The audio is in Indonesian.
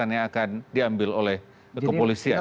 jadi ini adalah keputusan yang akan diambil oleh kepolisian